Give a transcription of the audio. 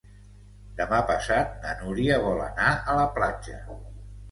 Demà passat na Núria vol anar a la platja.